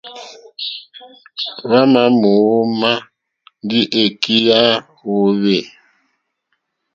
Hwámà mǒmá ndí èkí yá hwōhwê.